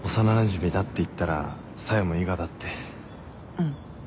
うん。